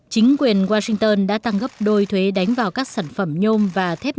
chính quyền washington đã tăng gấp đôi thuế đánh vào các sản phẩm nhôm và thép